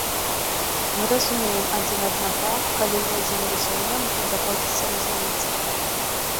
Мы разумеем адзін аднаго, калі недзе не разумеем, то даводзіцца разумець.